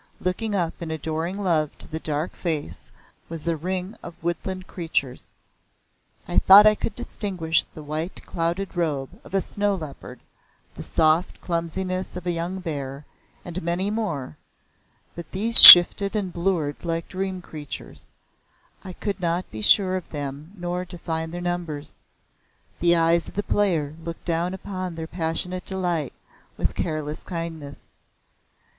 Looking up in adoring love to the dark face was a ring of woodland creatures. I thought I could distinguish the white clouded robe of a snow leopard, the soft clumsiness of a young bear, and many more, but these shifted and blurred like dream creatures I could not be sure of them nor define their numbers. The eyes of the Player looked down upon their passionate delight with careless kindness.